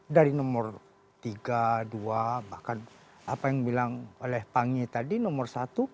dari nomor tiga dua bahkan apa yang bilang oleh pangi tadi nomor satu